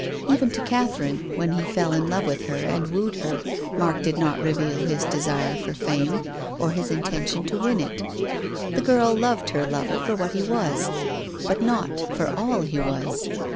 Even to Catherine, when he fell in love with her and wooed her, Mark did not reveal his desire for fame, or his intention to win it. The girl loved her lover for what he was, but not for all he was.